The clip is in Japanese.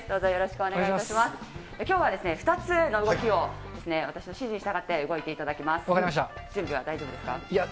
きょうはですね、２つの動きを私の指示に従って動いていただきます。